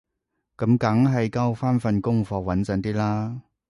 噉梗係交返份功課穩陣啲啦